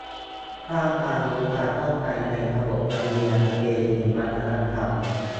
สร้างความรู้ ความเข้าใจในขนบธรรมเนียม ประเพณี วัฒนธรรม